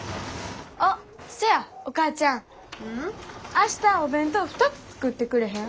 明日お弁当２つ作ってくれへん？